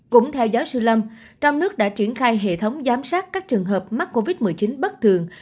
cũng theo giáo sư lâm trong nước đã triển khai hệ thống giám sát các trường hợp mắc covid một mươi chín bất thường